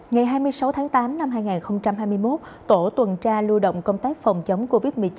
ngày hai mươi sáu tháng tám năm hai nghìn hai mươi một tổ tuần tra lưu động công tác phòng chống covid một mươi chín